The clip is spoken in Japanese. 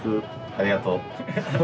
ありがとう。